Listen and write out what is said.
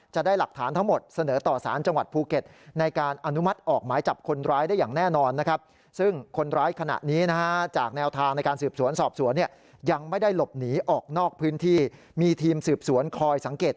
จะได้หลักฐานทั้งหมดเสนอต่อสารจังหวัดภูเก็ต